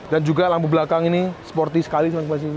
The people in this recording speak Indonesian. dan juga lampu belakang ini sporty sekali sobat tempat cv